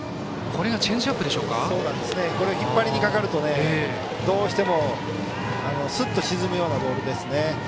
これを引っ張りにかかるとどうしても、すっと沈むようなボールですね。